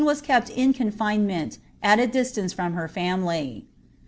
s kept in confinement, at a distance from her family.